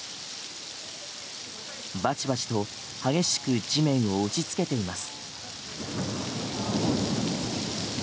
バチバチと激しく地面を打ちつけています。